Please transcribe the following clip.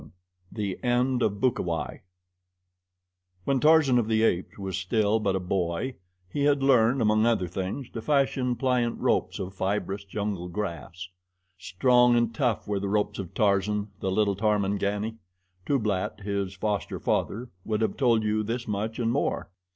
7 The End of Bukawai WHEN TARZAN OF the Apes was still but a boy he had learned, among other things, to fashion pliant ropes of fibrous jungle grass. Strong and tough were the ropes of Tarzan, the little Tarmangani. Tublat, his foster father, would have told you this much and more.